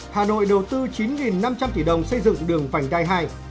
hà nội đầu tư chín năm trăm linh tỷ đồng xây dựng đường vành đai hai